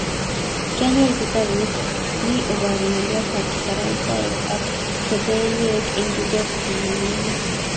kianyoru kitabut me oboru ngolyot ab kifaransaek ak kiebraniek eng duket be mining